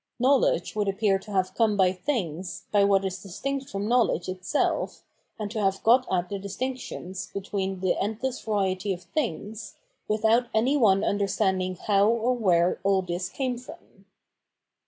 Knowledge would appear to have come by things, by what is distinct from knowledge itself, and to have got at the distinctions between the endless variety of things, without any one understanding how or where all this came from.